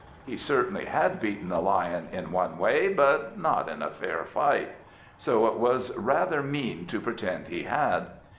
He certainly had beaten the Lion in one way, but not in fair fight, so it was rather mean to pretend he had.